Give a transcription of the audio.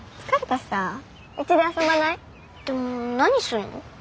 でも何するの？